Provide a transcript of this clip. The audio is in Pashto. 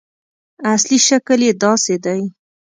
اصلي شکل یې داسې دی.